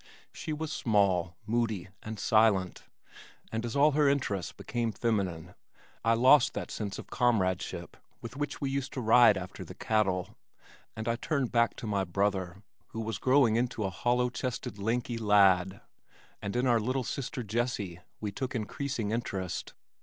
She was small, moody and silent, and as all her interests became feminine I lost that sense of comradeship with which we used to ride after the cattle and I turned back to my brother who was growing into a hollow chested lanky lad and in our little sister Jessie we took increasing interest.